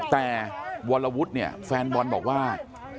แต่วรวุฒิเนี่ยแฟนบอลบอกว่า